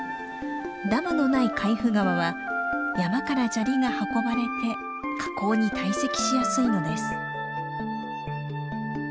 ダムのない海部川は山から砂利が運ばれて河口に堆積しやすいのです。